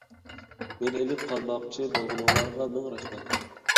مېنى ئېلىپ قالماقچى بولغىنىڭلارغا مىڭ رەھمەت.